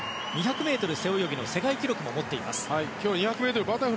２００ｍ背泳ぎの世界記録も持っています。